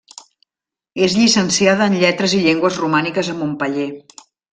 És llicenciada en Lletres i Llengües romàniques a Montpeller.